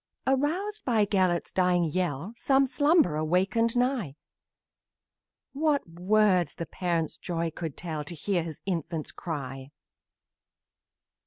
Aroused by Gelert's dying yell, Some slumberer wakened nigh; What words the parent's joy can tell To hear his infant cry!